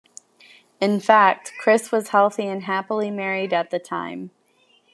In fact, Criss was healthy and happily married at the time.